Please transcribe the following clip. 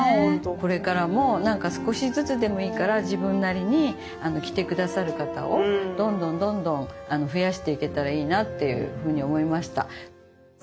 これからも何か少しずつでもいいから自分なりに着て下さる方をどんどんどんどん増やしていけたらいいなっていうふうに思いました。